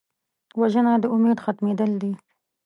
وژنه د امید ختمېدل دي